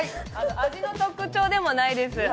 味の特徴でもないです。